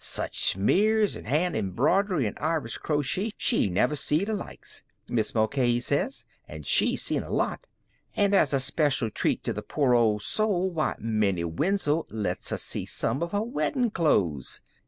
Such smears av hand embridery an' Irish crochet she never see th' likes, Mis' Mulcahy says, and she's seen a lot. And as a special treat to the poor owld soul, why Minnie Wenzel lets her see some av her weddin' clo'es.